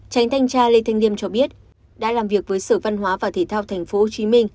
tránh thanh tra lê thanh liêm cho biết đã làm việc với sở văn hóa và thể thao tp hcm